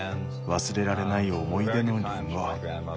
忘れられない思い出のリンゴ。